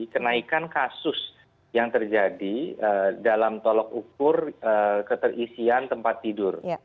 kenaikan kasus yang terjadi dalam tolok ukur keterisian tempat tidur